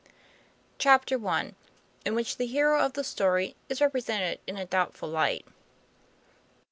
CHAPTER I. IN WHICH THE HERO OF THE STORY IS REPRESENTED IN A DOUBTFUL LIGHT.